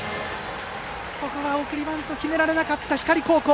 ここは送りバント決められなかった光高校。